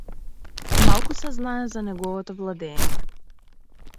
Малку се знае за неговото владеење.